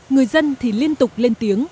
người dân thì liên tục lên tiếng